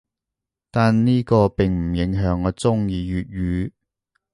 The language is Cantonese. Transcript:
但呢個並唔影響我中意粵語‘